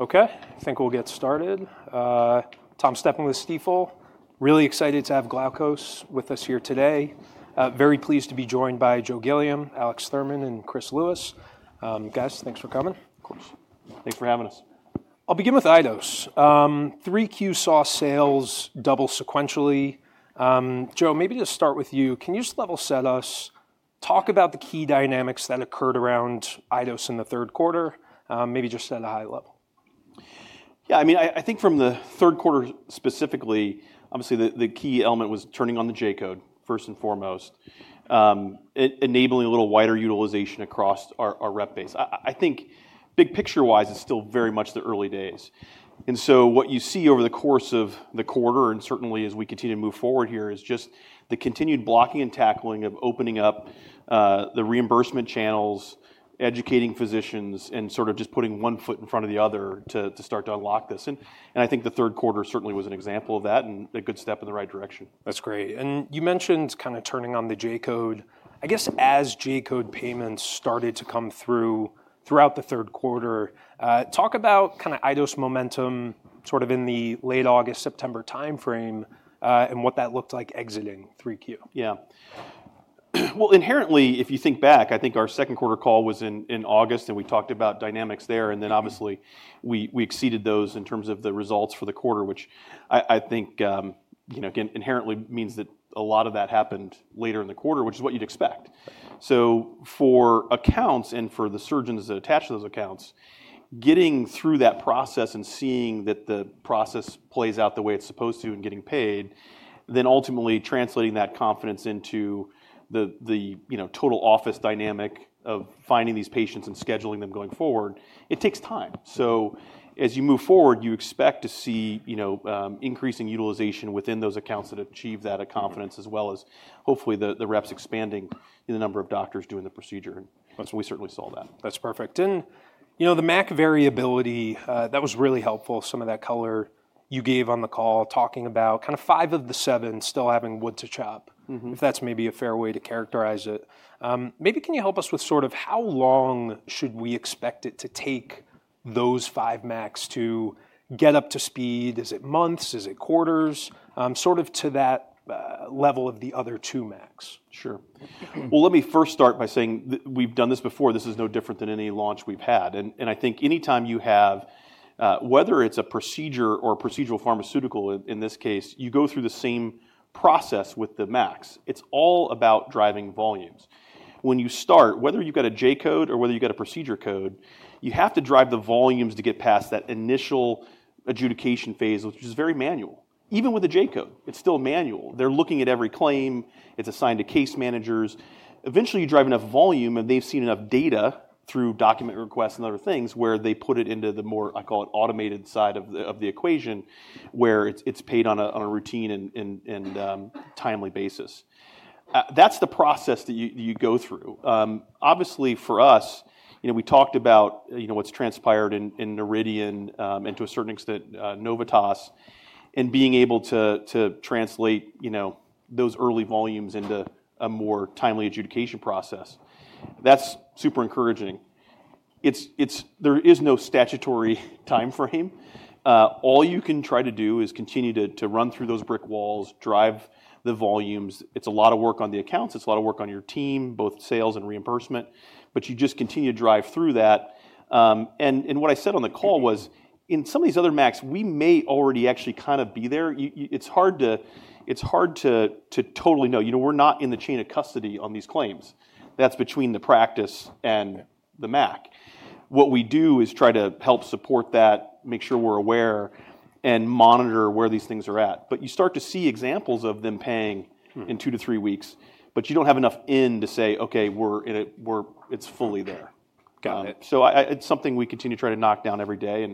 Okay, I think we'll get started. Tom Stephan with Stifel, really excited to have Glaukos with us here today. Very pleased to be joined by Joe Gilliam, Alex Thurman, and Chris Lewis. Guys, thanks for coming. Of course. Thanks for having us. I'll begin with iDose TR. 3Q saw sales double sequentially. Joe, maybe to start with you, can you just level set us, talk about the key dynamics that occurred around iDose TR in the third quarter? Maybe just at a high level. Yeah, I mean, I think from the third quarter specifically, obviously the key element was turning on the J-code first and foremost, enabling a little wider utilization across our rep base. I think big picture-wise, it's still very much the early days. And so what you see over the course of the quarter, and certainly as we continue to move forward here, is just the continued blocking and tackling of opening up, the reimbursement channels, educating physicians, and sort of just putting one foot in front of the other to start to unlock this. And I think the third quarter certainly was an example of that and a good step in the right direction. That's great. And you mentioned kind of turning on the J-code. I guess as J-code payments started to come through throughout the third quarter, talk about kind of iDose momentum sort of in the late August, September timeframe, and what that looked like exiting 3Q. Yeah. Well, inherently, if you think back, I think our second quarter call was in August and we talked about dynamics there. And then obviously we exceeded those in terms of the results for the quarter, which I think, you know, inherently means that a lot of that happened later in the quarter, which is what you'd expect. So for accounts and for the surgeons that attach to those accounts, getting through that process and seeing that the process plays out the way it's supposed to and getting paid, then ultimately translating that confidence into the, you know, total office dynamic of finding these patients and scheduling them going forward, it takes time. So as you move forward, you expect to see, you know, increasing utilization within those accounts that achieve that confidence, as well as hopefully the reps expanding in the number of doctors doing the procedure. We certainly saw that. That's perfect, and you know, the MAC variability, that was really helpful. Some of that color you gave on the call talking about kind of five of the seven still having wood to chop, if that's maybe a fair way to characterize it. Maybe can you help us with sort of how long should we expect it to take those five MACs to get up to speed? Is it months? Is it quarters? Sort of to that level of the other two MACs? Sure. Well, let me first start by saying we've done this before. This is no different than any launch we've had. And I think anytime you have, whether it's a procedure or a procedural pharmaceutical in this case, you go through the same process with the MACs. It's all about driving volumes. When you start, whether you've got a J-code or whether you've got a procedure code, you have to drive the volumes to get past that initial adjudication phase, which is very manual. Even with a J-code, it's still manual. They're looking at every claim. It's assigned to case managers. Eventually you drive enough volume and they've seen enough data through document requests and other things where they put it into the more, I call it automated side of the equation where it's paid on a routine and timely basis. That's the process that you go through. Obviously for us, you know, we talked about, you know, what's transpired in Noridian and to a certain extent Novitas and being able to translate, you know, those early volumes into a more timely adjudication process. That's super encouraging. There is no statutory timeframe. All you can try to do is continue to run through those brick walls, drive the volumes. It's a lot of work on the accounts. It's a lot of work on your team, both sales and reimbursement, but you just continue to drive through that. And what I said on the call was in some of these other MACs, we may already actually kind of be there. It's hard to totally know, you know, we're not in the chain of custody on these claims. That's between the practice and the MAC. What we do is try to help support that, make sure we're aware and monitor where these things are at. But you start to see examples of them paying in two to three weeks, but you don't have enough in to say, okay, we're in it, it's fully there. Got it. So it's something we continue to try to knock down every day.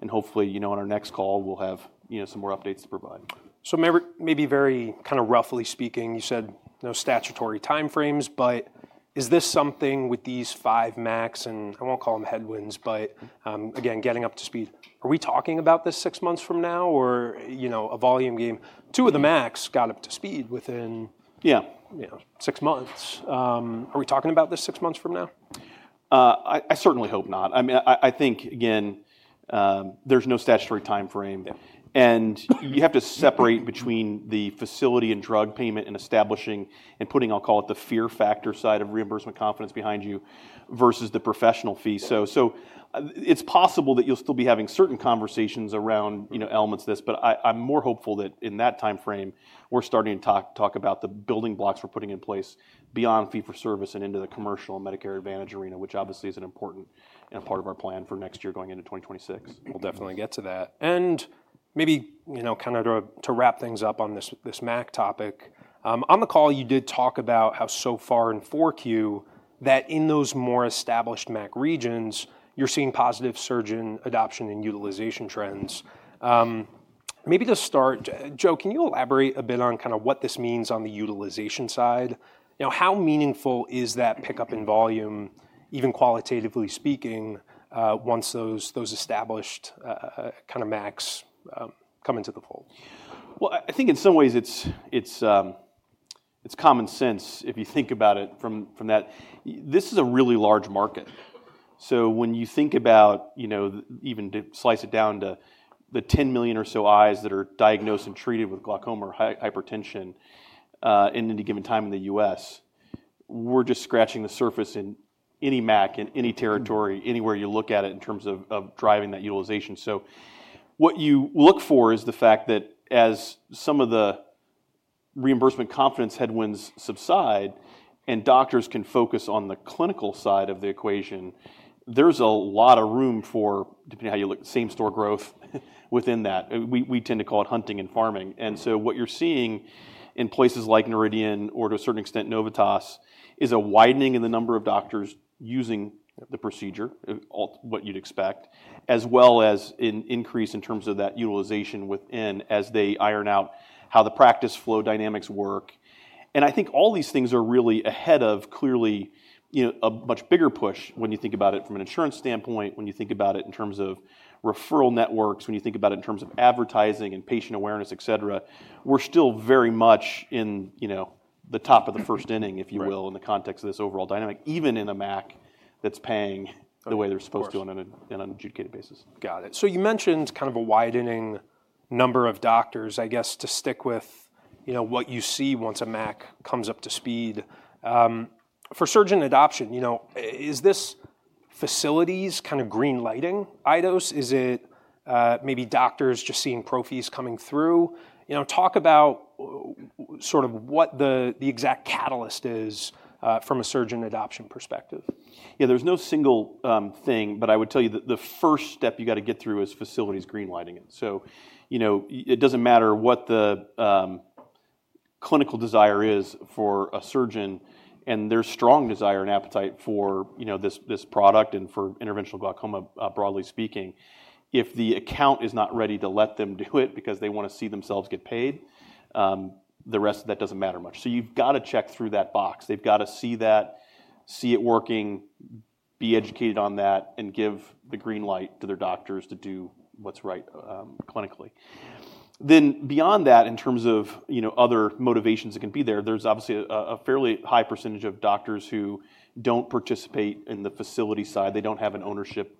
And hopefully, you know, on our next call, we'll have, you know, some more updates to provide. So maybe very kind of roughly speaking, you said no statutory timeframes, but is this something with these five MACs and I won't call them headwinds, but again, getting up to speed, are we talking about this six months from now or, you know, a volume game? Two of the MACs got up to speed within, yeah, six months. Are we talking about this six months from now? I certainly hope not. I mean, I think again, there's no statutory timeframe, and you have to separate between the facility and drug payment and establishing and putting, I'll call it the fear factor side of reimbursement confidence behind you versus the professional fee, so it's possible that you'll still be having certain conversations around, you know, elements of this, but I'm more hopeful that in that timeframe, we're starting to talk about the building blocks we're putting in place beyond fee-for-service and into the commercial Medicare Advantage arena, which obviously is an important part of our plan for next year going into 2026. We'll definitely get to that, and maybe, you know, kind of to wrap things up on this MAC topic, on the call, you did talk about how so far in Q4, that in those more established MAC regions, you're seeing positive surge in adoption and utilization trends. Maybe to start, Joe, can you elaborate a bit on kind of what this means on the utilization side? You know, how meaningful is that pickup in volume, even qualitatively speaking, once those established kind of MACs come into the fold? I think in some ways it's common sense if you think about it from that. This is a really large market. So when you think about, you know, even to slice it down to the 10 million or so eyes that are diagnosed and treated with glaucoma or hypertension in any given time in the U.S., we're just scratching the surface in any MAC, in any territory, anywhere you look at it in terms of driving that utilization. So what you look for is the fact that as some of the reimbursement confidence headwinds subside and doctors can focus on the clinical side of the equation, there's a lot of room for, depending on how you look, same store growth within that. We tend to call it hunting and farming. And so what you're seeing in places like Noridian or to a certain extent Novitas is a widening in the number of doctors using the procedure, what you'd expect, as well as an increase in terms of that utilization within as they iron out how the practice flow dynamics work. And I think all these things are really ahead of clearly, you know, a much bigger push when you think about it from an insurance standpoint, when you think about it in terms of referral networks, when you think about it in terms of advertising and patient awareness, et cetera. We're still very much in, you know, the top of the first inning, if you will, in the context of this overall dynamic, even in a MAC that's paying the way they're supposed to on an adjudicated basis. Got it. So you mentioned kind of a widening number of doctors, I guess to stick with, you know, what you see once a MAC comes up to speed. For surgeon adoption, you know, is this facilities kind of green lighting iDose TR? Is it maybe doctors just seeing profits coming through? You know, talk about sort of what the exact catalyst is from a surgeon adoption perspective. Yeah, there's no single thing, but I would tell you that the first step you got to get through is facilities green lighting it. So, you know, it doesn't matter what the clinical desire is for a surgeon and there's strong desire and appetite for, you know, this product and for interventional glaucoma, broadly speaking. If the account is not ready to let them do it because they want to see themselves get paid, the rest of that doesn't matter much. So you've got to check through that box. They've got to see that, see it working, be educated on that, and give the green light to their doctors to do what's right clinically. Then beyond that, in terms of, you know, other motivations that can be there, there's obviously a fairly high percentage of doctors who don't participate in the facility side. They don't have an ownership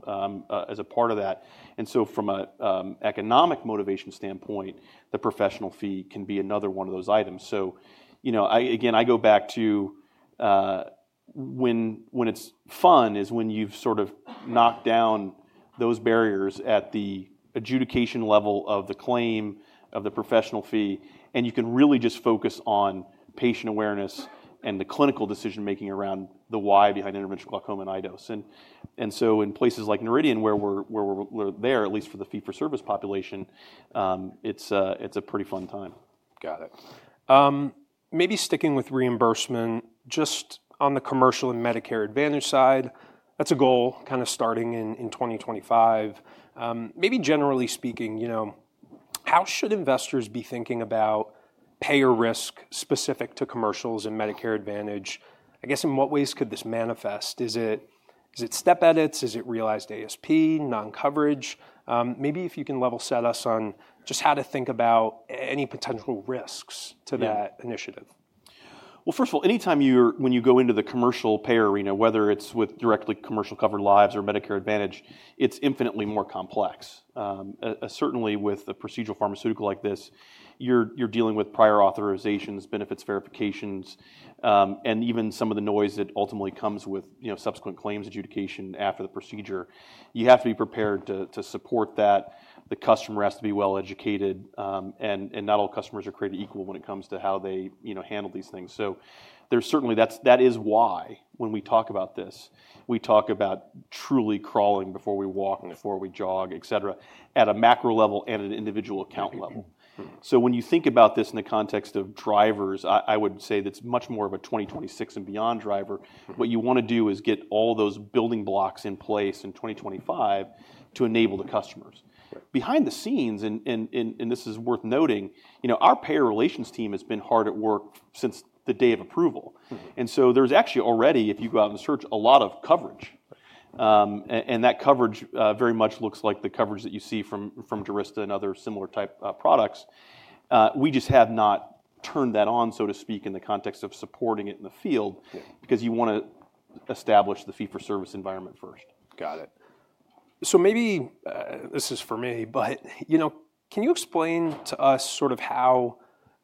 as a part of that, and so from an economic motivation standpoint, the professional fee can be another one of those items. You know, again, I go back to when it's fun is when you've sort of knocked down those barriers at the adjudication level of the claim, of the professional fee, and you can really just focus on patient awareness and the clinical decision making around the why behind interventional glaucoma in iDose. In places like Noridian, where we're there, at least for the fee-for-service population, it's a pretty fun time. Got it. Maybe sticking with reimbursement, just on the commercial and Medicare Advantage side, that's a goal kind of starting in 2025. Maybe generally speaking, you know, how should investors be thinking about payer risk specific to commercials and Medicare Advantage? I guess in what ways could this manifest? Is it step edits? Is it realized ASP, non-coverage? Maybe if you can level set us on just how to think about any potential risks to that initiative. First of all, anytime you're, when you go into the commercial payer arena, whether it's with directly commercial covered lives or Medicare Advantage, it's infinitely more complex. Certainly with a procedural pharmaceutical like this, you're dealing with prior authorizations, benefits verifications, and even some of the noise that ultimately comes with, you know, subsequent claims adjudication after the procedure. You have to be prepared to support that. The customer has to be well educated. And not all customers are created equal when it comes to how they, you know, handle these things. So there's certainly, that is why when we talk about this, we talk about truly crawling before we walk and before we jog, etc, at a macro level and at an individual account level. So when you think about this in the context of drivers, I would say that's much more of a 2026 and beyond driver. What you want to do is get all those building blocks in place in 2025 to enable the customers. Behind the scenes, and this is worth noting, you know, our payer relations team has been hard at work since the day of approval. And so there's actually already, if you go out and search, a lot of coverage. And that coverage very much looks like the coverage that you see from DURYSTA and other similar type products. We just have not turned that on, so to speak, in the context of supporting it in the field because you want to establish the fee-for-service environment first. Got it. So maybe this is for me, but you know, can you explain to us sort of how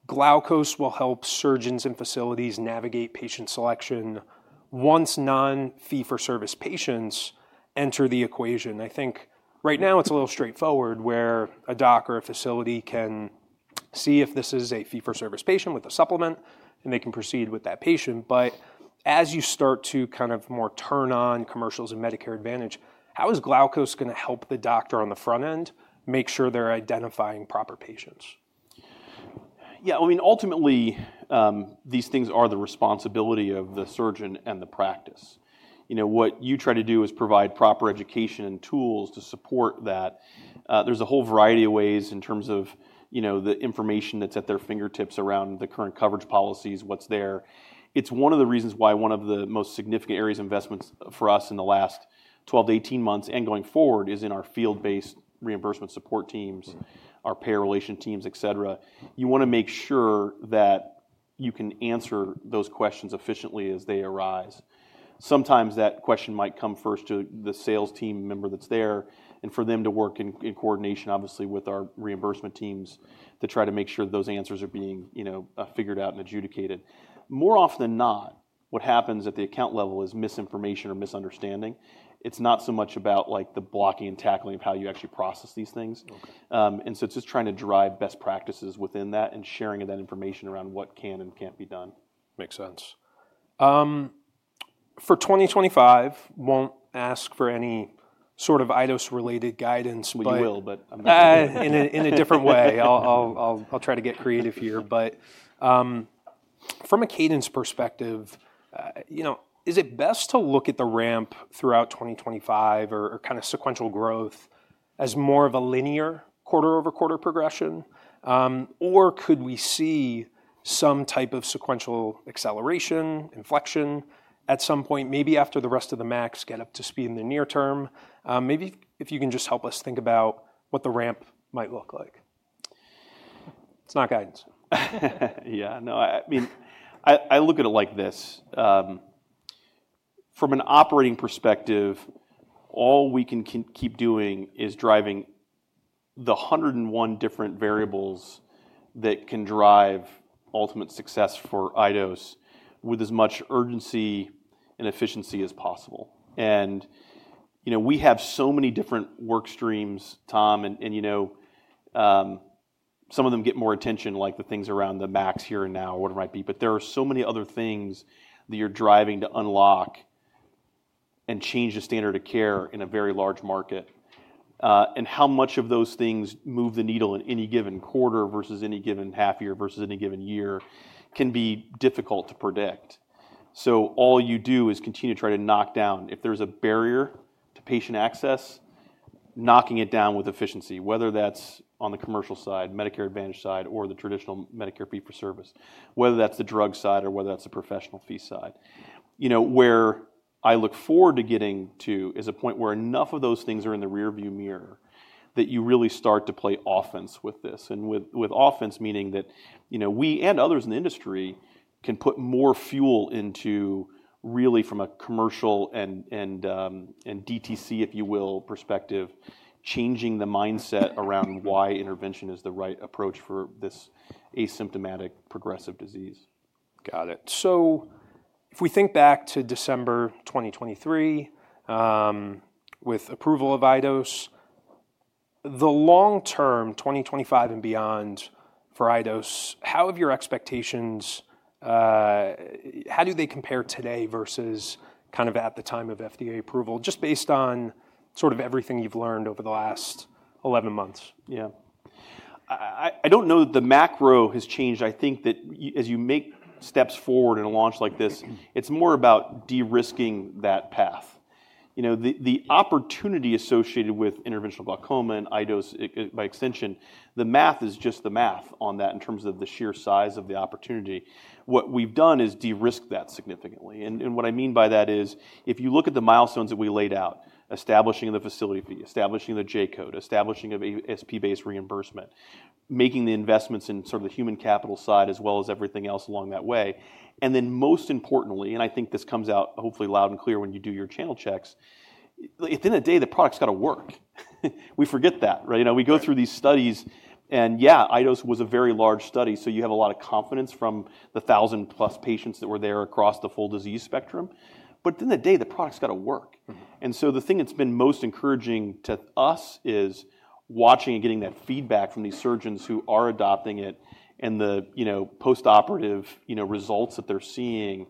Glaukos will help surgeons and facilities navigate patient selection once non-fee for service patients enter the equation? I think right now it's a little straightforward where a doctor or a facility can see if this is a fee for service patient with a supplement and they can proceed with that patient. But as you start to kind of more turn on commercials and Medicare Advantage, how is Glaukos going to help the doctor on the front end make sure they're identifying proper patients? Yeah, I mean, ultimately these things are the responsibility of the surgeon and the practice. You know, what you try to do is provide proper education and tools to support that. There's a whole variety of ways in terms of, you know, the information that's at their fingertips around the current coverage policies, what's there. It's one of the reasons why one of the most significant areas of investments for us in the last 12-18 months and going forward is in our field-based reimbursement support teams, our payer relation teams, etc. You want to make sure that you can answer those questions efficiently as they arise. Sometimes that question might come first to the sales team member that's there and for them to work in coordination, obviously with our reimbursement teams to try to make sure those answers are being, you know, figured out and adjudicated. More often than not, what happens at the account level is misinformation or misunderstanding. It's not so much about like the blocking and tackling of how you actually process these things. And so it's just trying to drive best practices within that and sharing of that information around what can and can't be done. Makes sense. For 2025, won't ask for any sort of iDose-related guidance. We will, but. In a different way. I'll try to get creative here. But from a cadence perspective, you know, is it best to look at the ramp throughout 2025 or kind of sequential growth as more of a linear quarter-over-quarter progression? Or could we see some type of sequential acceleration, inflection at some point, maybe after the rest of the MACs get up to speed in the near term? Maybe if you can just help us think about what the ramp might look like. It's not guidance. Yeah, no, I mean, I look at it like this. From an operating perspective, all we can keep doing is driving the 101 different variables that can drive ultimate success for iDose TR with as much urgency and efficiency as possible. And, you know, we have so many different work streams, Tom, and, you know, some of them get more attention like the things around the MACs here and now or what it might be, but there are so many other things that you're driving to unlock and change the standard of care in a very large market. And how much of those things move the needle in any given quarter versus any given half year versus any given year can be difficult to predict. So all you do is continue to try to knock down, if there's a barrier to patient access, knocking it down with efficiency, whether that's on the commercial side, Medicare Advantage side, or the traditional Medicare fee for service, whether that's the drug side or whether that's the professional fee side. You know, where I look forward to getting to is a point where enough of those things are in the rearview mirror that you really start to play offense with this. And with offense meaning that, you know, we and others in the industry can put more fuel into really from a commercial and DTC, if you will, perspective, changing the mindset around why intervention is the right approach for this asymptomatic progressive disease. Got it. So if we think back to December 2023 with approval of iDose TR, the long-term 2025 and beyond for iDose TR, how have your expectations, how do they compare today versus kind of at the time of FDA approval, just based on sort of everything you've learned over the last 11 months? Yeah. I don't know that the macro has changed. I think that as you make steps forward in a launch like this, it's more about de-risking that path. You know, the opportunity associated with interventional glaucoma and iDose by extension, the math is just the math on that in terms of the sheer size of the opportunity. What we've done is de-risk that significantly. And what I mean by that is if you look at the milestones that we laid out, establishing the facility fee, establishing the J-code, establishing of ASP-based reimbursement, making the investments in sort of the human capital side as well as everything else along that way. And then most importantly, and I think this comes out hopefully loud and clear when you do your channel checks, at the end of the day, the product's got to work. We forget that, right? You know, we go through these studies and yeah, iDose TR was a very large study. So you have a lot of confidence from the thousand plus patients that were there across the full disease spectrum. But at the end of the day, the product's got to work. And so the thing that's been most encouraging to us is watching and getting that feedback from these surgeons who are adopting it and the, you know, post-operative, you know, results that they're seeing.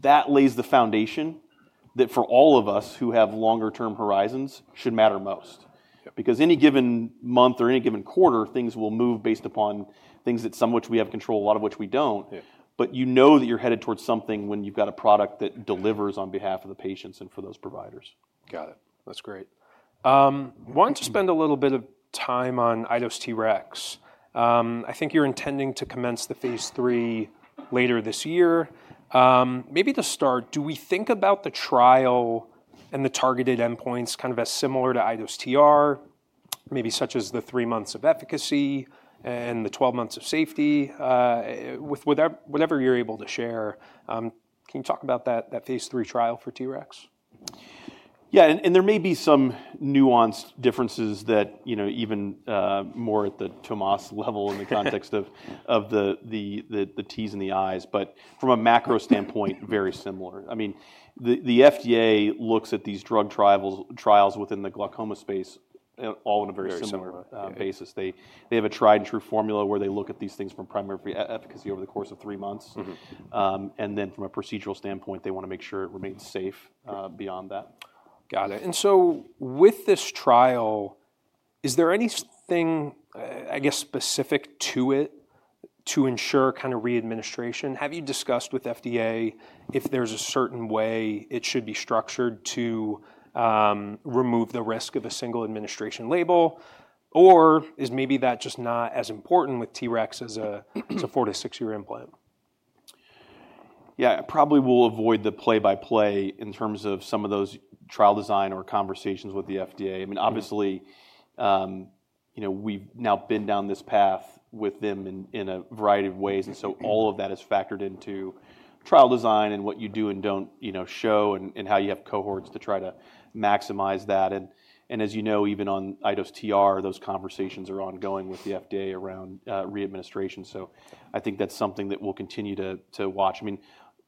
That lays the foundation that for all of us who have longer-term horizons should matter most. Because any given month or any given quarter, things will move based upon things that some of which we have control, a lot of which we don't. But you know that you're headed towards something when you've got a product that delivers on behalf of the patients and for those providers. Got it. That's great. Wanted to spend a little bit of time on iDose TREX. I think you're intending to commence the phase III later this year. Maybe to start, do we think about the trial and the targeted endpoints kind of as similar to iDose TR, maybe such as the three months of efficacy and the 12 months of safety with whatever you're able to share? Can you talk about that phase III trial for TREX? Yeah, and there may be some nuanced differences that, you know, even more at the Tomas level in the context of the T's and the I's, but from a macro standpoint, very similar. I mean, the FDA looks at these drug trials within the glaucoma space all on a very similar basis. They have a tried and true formula where they look at these things from primary efficacy over the course of three months, and then from a procedural standpoint, they want to make sure it remains safe beyond that. Got it. And so with this trial, is there anything, I guess, specific to it to ensure kind of readministration? Have you discussed with FDA if there's a certain way it should be structured to remove the risk of a single administration label? Or is maybe that just not as important with TRX as a 4-6 years implant? Yeah, I probably will avoid the play-by-play in terms of some of those trial design or conversations with the FDA. I mean, obviously, you know, we've now been down this path with them in a variety of ways. And so all of that is factored into trial design and what you do and don't, you know, show and how you have cohorts to try to maximize that. And as you know, even on iDose TREX, those conversations are ongoing with the FDA around readministration. So I think that's something that we'll continue to watch. I mean,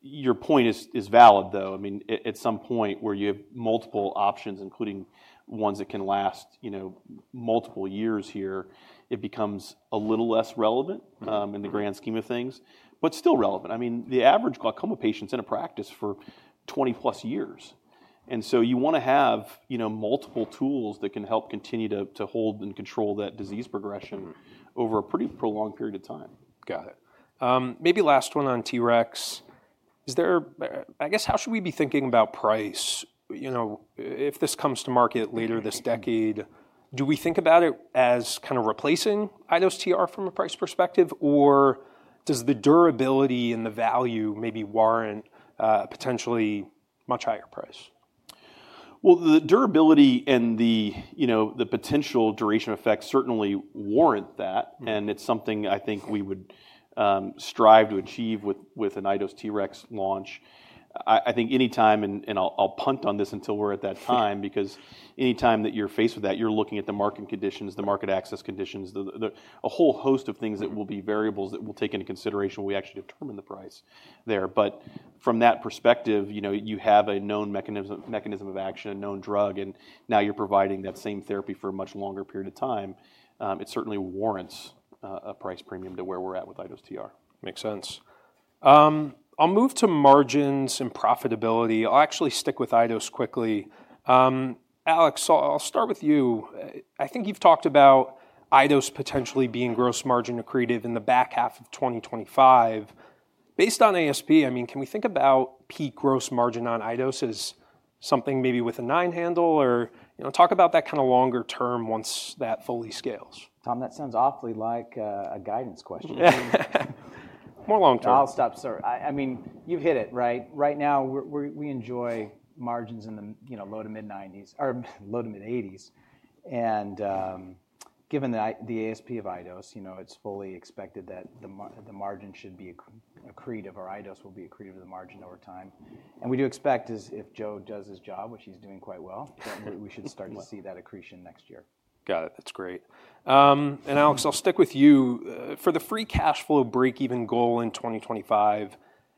your point is valid though. I mean, at some point where you have multiple options, including ones that can last, you know, multiple years here, it becomes a little less relevant in the grand scheme of things, but still relevant. I mean, the average glaucoma patient's in a practice for 20+ years. And so you want to have, you know, multiple tools that can help continue to hold and control that disease progression over a pretty prolonged period of time. Got it. Maybe last one on TREX. Is there, I guess, how should we be thinking about price? You know, if this comes to market later this decade, do we think about it as kind of replacing iDose TR from a price perspective? Or does the durability and the value maybe warrant a potentially much higher price? The durability and the, you know, the potential duration effects certainly warrant that. And it's something I think we would strive to achieve with an iDose TREX launch. I think anytime, and I'll punt on this until we're at that time, because anytime that you're faced with that, you're looking at the market conditions, the market access conditions, a whole host of things that will be variables that we'll take into consideration when we actually determine the price there. But from that perspective, you know, you have a known mechanism of action, a known drug, and now you're providing that same therapy for a much longer period of time. It certainly warrants a price premium to where we're at with iDose TR. Makes sense. I'll move to margins and profitability. I'll actually stick with iDose TR quickly. Alex, I'll start with you. I think you've talked about iDose TR potentially being gross margin accretive in the back half of 2025. Based on ASP, I mean, can we think about peak gross margin on iDose TR as something maybe with a nine handle or, you know, talk about that kind of longer term once that fully scales? Tom, that sounds awfully like a guidance question. More long-term. I'll stop. I mean, you've hit it, right? Right now, we enjoy margins in the, you know, low-to-mid 90s or low-to-mid 80s. And given the ASP of iDose TR, you know, it's fully expected that the margin should be accretive or iDose TR will be accretive of the margin over time. And we do expect if Joe does his job, which he's doing quite well, that we should start to see that accretion next year. Got it. That's great. And Alex, I'll stick with you. For the free cash flow break-even goal in 2025,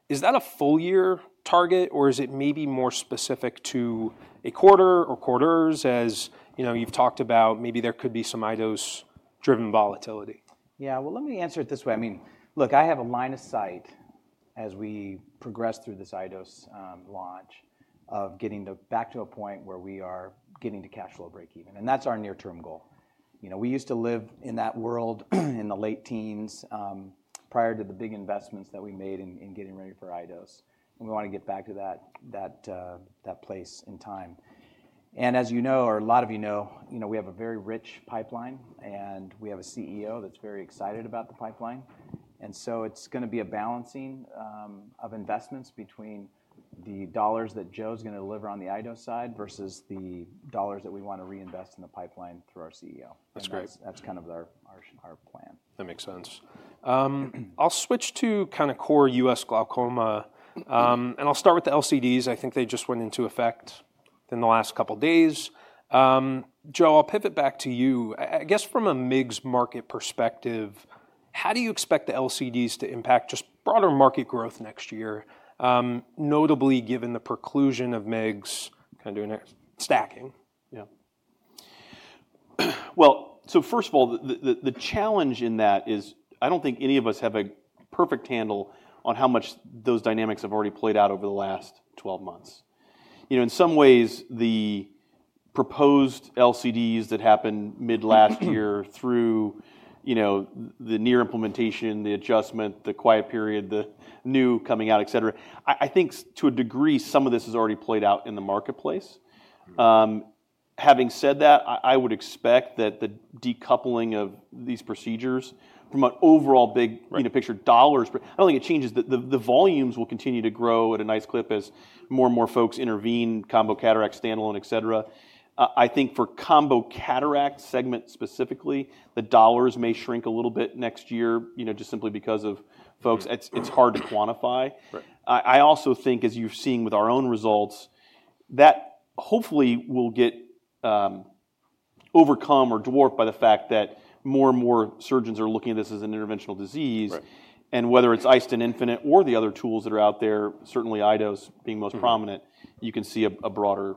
is that a full year target or is it maybe more specific to a quarter or quarters as, you know, you've talked about maybe there could be some iDose-driven volatility? Yeah, well, let me answer it this way. I mean, look, I have a line of sight as we progress through this iDose TR launch of getting back to a point where we are getting to cash flow break-even. And that's our near-term goal. You know, we used to live in that world in the late teens prior to the big investments that we made in getting ready for iDose TR. And we want to get back to that place in time. And as you know, or a lot of you know, you know, we have a very rich pipeline and we have a CEO that's very excited about the pipeline. And so it's going to be a balancing of investments between the dollars that Joe's going to deliver on the iDose TR side versus the dollars that we want to reinvest in the pipeline through our CEO. That's great. That's kind of our plan. That makes sense. I'll switch to kind of core U.S. glaucoma. And I'll start with the LCDs. I think they just went into effect in the last couple of days. Joe, I'll pivot back to you. I guess from a MIGS market perspective, how do you expect the LCDs to impact just broader market growth next year, notably given the preclusion of MIGS kind of doing stacking? Yeah. Well, so first of all, the challenge in that is I don't think any of us have a perfect handle on how much those dynamics have already played out over the last 12 months. You know, in some ways, the proposed LCDs that happened mid-last year through, you know, the near implementation, the adjustment, the quiet period, the new coming out, etc, I think to a degree some of this has already played out in the marketplace. Having said that, I would expect that the decoupling of these procedures from an overall big, you know, picture dollars, I don't think it changes. The volumes will continue to grow at a nice clip as more and more folks intervene, combo cataract, standalone, etc. I think for combo cataract segment specifically, the dollars may shrink a little bit next year, you know, just simply because of folks. It's hard to quantify. I also think as you've seen with our own results, that hopefully will get overcome or dwarfed by the fact that more and more surgeons are looking at this as an interventional disease. Whether it's iStent infinite or the other tools that are out there, certainly iDose being most prominent, you can see a broader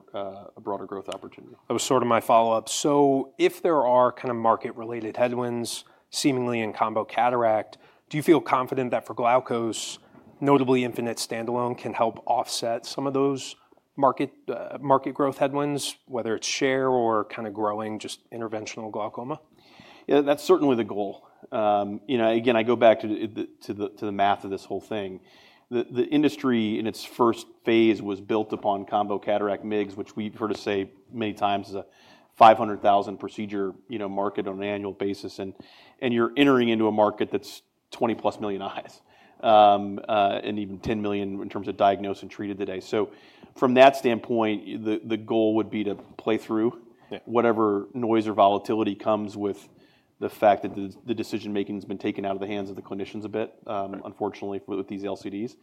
growth opportunity. That was sort of my follow-up. So if there are kind of market-related headwinds seemingly in combo cataract, do you feel confident that for Glaukos, notably iStent infinite standalone can help offset some of those market growth headwinds, whether it's share or kind of growing just interventional glaucoma? Yeah, that's certainly the goal. You know, again, I go back to the math of this whole thing. The industry in its first phase was built upon combo cataract MIGS, which we've heard to say many times is a 500,000 procedure, you know, market on an annual basis, and you're entering into a market that's 20+ million eyes and even 10 million in terms of diagnosed and treated today, so from that standpoint, the goal would be to play through whatever noise or volatility comes with the fact that the decision-making has been taken out of the hands of the clinicians a bit, unfortunately, with these LCDs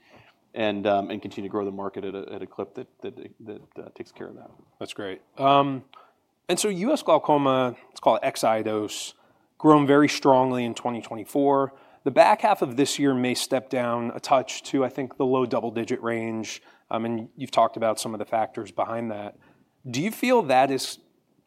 and continue to grow the market at a clip that takes care of that. That's great. And so U.S. glaucoma, let's call it ex-iDose, grown very strongly in 2024. The back half of this year may step down a touch to, I think, the low double-digit range. And you've talked about some of the factors behind that. Do you feel that is,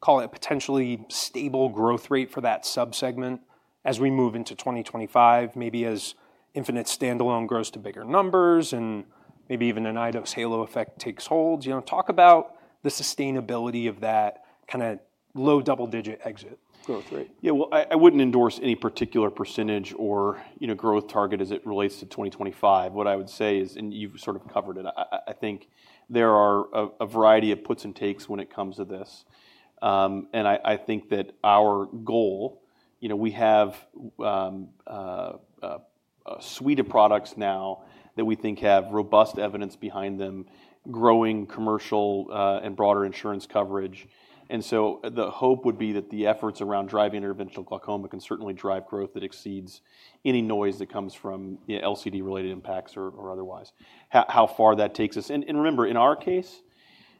call it a potentially stable growth rate for that subsegment as we move into 2025, maybe as iStent infinite standalone grows to bigger numbers and maybe even an iDose halo effect takes hold? You know, talk about the sustainability of that kind of low double-digit exit growth rate. Yeah, well, I wouldn't endorse any particular percentage or, you know, growth target as it relates to 2025. What I would say is, and you've sort of covered it, I think there are a variety of puts and takes when it comes to this. And I think that our goal, you know, we have a suite of products now that we think have robust evidence behind them, growing commercial and broader insurance coverage. And so the hope would be that the efforts around driving interventional glaucoma can certainly drive growth that exceeds any noise that comes from LCD-related impacts or otherwise. How far that takes us. And remember, in our case,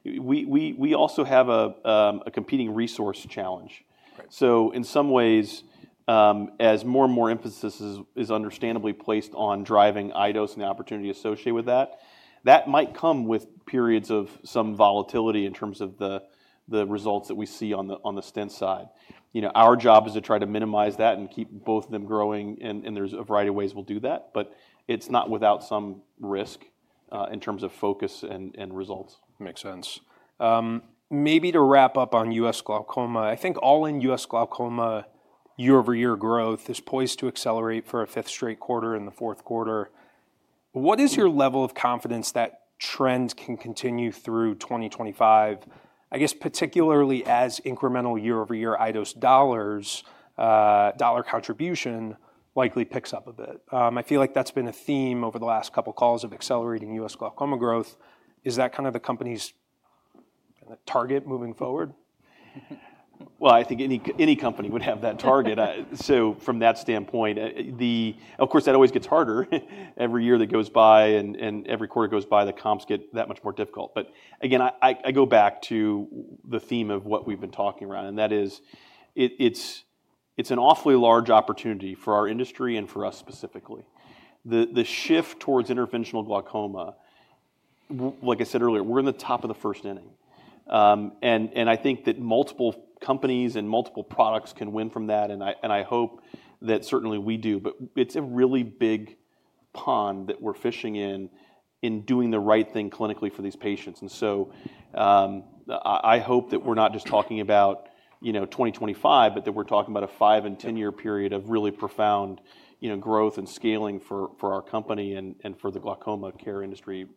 we also have a competing resource challenge. So in some ways, as more and more emphasis is understandably placed on driving iDose TR and the opportunity associated with that, that might come with periods of some volatility in terms of the results that we see on the stent side. You know, our job is to try to minimize that and keep both of them growing. And there's a variety of ways we'll do that, but it's not without some risk in terms of focus and results. Makes sense. Maybe to wrap up on U.S. glaucoma, I think all in U.S. glaucoma, year-over-year growth is poised to accelerate for a fifth straight quarter and the fourth quarter. What is your level of confidence that trends can continue through 2025? I guess particularly as incremental year-over-year iDose dollar contribution likely picks up a bit. I feel like that's been a theme over the last couple of calls of accelerating U.S. glaucoma growth. Is that kind of the company's target moving forward? Well, I think any company would have that target. So from that standpoint, of course, that always gets harder every year that goes by and every quarter goes by, the comps get that much more difficult. But again, I go back to the theme of what we've been talking around, and that is it's an awfully large opportunity for our industry and for us specifically. The shift towards interventional glaucoma, like I said earlier, we're in the top of the first inning. And I think that multiple companies and multiple products can win from that. And I hope that certainly we do, but it's a really big pond that we're fishing in, in doing the right thing clinically for these patients. I hope that we're not just talking about, you know, 2025, but that we're talking about a 5-year and 10-year period of really profound, you know, growth and scaling for our company and for the glaucoma care industry,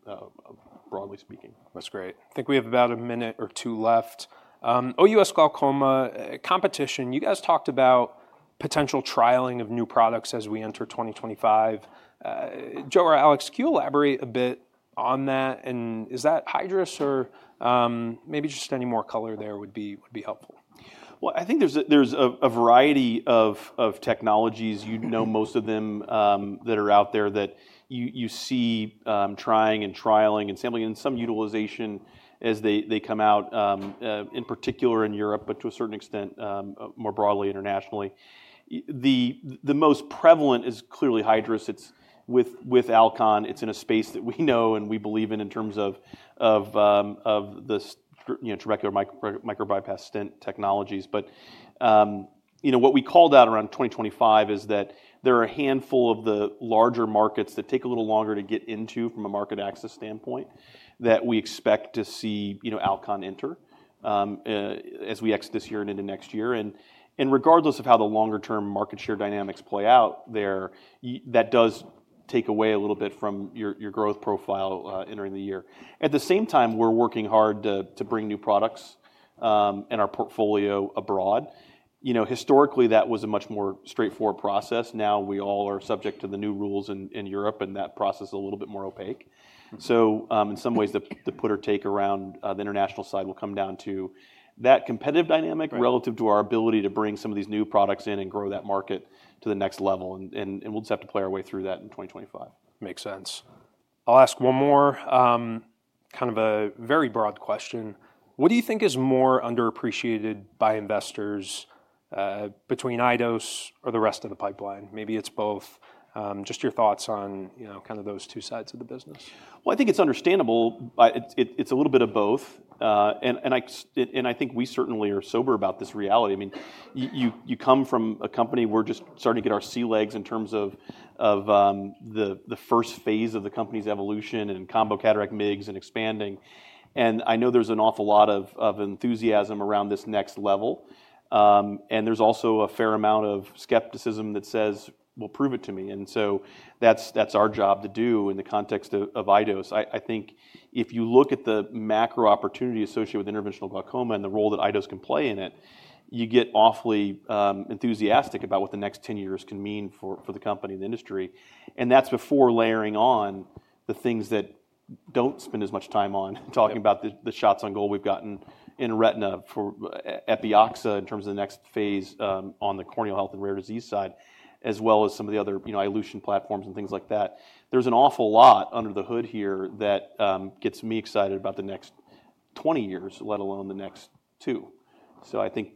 broadly speaking. That's great. I think we have about a minute or two left. OUS glaucoma competition, you guys talked about potential trialing of new products as we enter 2025. Joe or Alex, can you elaborate a bit on that? And is that Hydrus or maybe just any more color there would be helpful? I think there's a variety of technologies, you know, most of them that are out there that you see trying and trialing and sampling and some utilization as they come out, in particular in Europe, but to a certain extent more broadly internationally. The most prevalent is clearly Hydrus. It's with Alcon. It's in a space that we know and we believe in in terms of the trabecular microbypass stent technologies. But, you know, what we called out around 2025 is that there are a handful of the larger markets that take a little longer to get into from a market access standpoint that we expect to see, you know, Alcon enter as we exit this year and into next year. And regardless of how the longer-term market share dynamics play out there, that does take away a little bit from your growth profile entering the year. At the same time, we're working hard to bring new products and our portfolio abroad. You know, historically that was a much more straightforward process. Now we all are subject to the new rules in Europe and that process is a little bit more opaque. So in some ways, the put or take around the international side will come down to that competitive dynamic relative to our ability to bring some of these new products in and grow that market to the next level. And we'll just have to play our way through that in 2025. Makes sense. I'll ask one more kind of a very broad question. What do you think is more underappreciated by investors between iDose TR or the rest of the pipeline? Maybe it's both. Just your thoughts on, you know, kind of those two sides of the business. I think it's understandable. It's a little bit of both. And I think we certainly are sober about this reality. I mean, you come from a company, we're just starting to get our sea legs in terms of the first phase of the company's evolution and combo cataract MIGS and expanding. And I know there's an awful lot of enthusiasm around this next level. And there's also a fair amount of skepticism that says, well, prove it to me. And so that's our job to do in the context of iDose TR. I think if you look at the macro opportunity associated with interventional glaucoma and the role that iDose TR can play in it, you get awfully enthusiastic about what the next 10 years can mean for the company and the industry. And that's before layering on the things that don't spend as much time on talking about the shots on goal we've gotten in retina for Epioxa in terms of the next phase on the corneal health and rare disease side, as well as some of the other, you know, iLution platforms and things like that. There's an awful lot under the hood here that gets me excited about the next 20 years, let alone the next two. So I think.